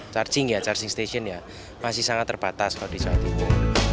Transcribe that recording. charging ya charging station ya masih sangat terbatas kalau di jawa timur